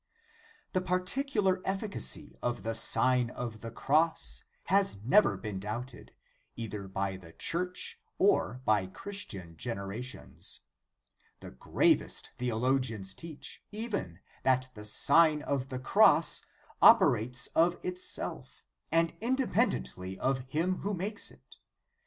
The particular efficacy of the Sign of the Cross has never been doubted, either by the Church, or by Christian generations. The gravest theologians teach even that the Sign of the Cross operates of itself, and indepen dently of him who makes it.